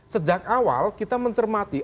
sejak awal kita mencermati